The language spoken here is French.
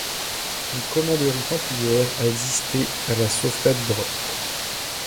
Une commanderie templière a existé à La Sauvetat-du-Dropt.